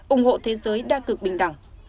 ủng hộ thế giới đa cực bình đẳng